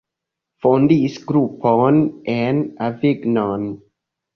Fondis grupon en Avignon.